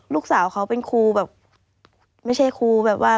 ลูกสาวเขาเป็นครูแบบไม่ใช่ครูแบบว่า